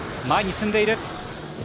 前に進んでいる。